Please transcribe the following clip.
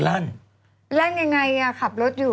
ลั่นยังไงอ่ะขับรถอยู่